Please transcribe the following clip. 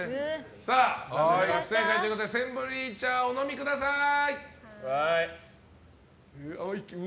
さあ、不正解ということでセンブリ茶、お飲みください。